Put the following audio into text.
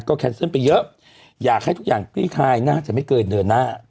แคนเซิลไปเยอะอยากให้ทุกอย่างคลี่คลายน่าจะไม่เกินเดือนหน้า